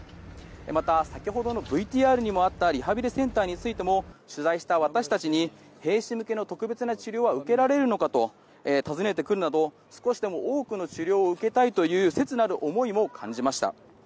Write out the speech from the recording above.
また、先ほどのＶＴＲにもあったリハビリセンターについても取材した私たちに兵士向けの特別な治療は受けられるのかと尋ねてくるなど少しでも多くの治療を受けたいという切なる思いも感じました。